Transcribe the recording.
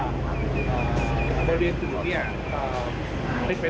จะมีการตั้งคณะกรรมการสอบสวนเหตุที่เกิดขึ้น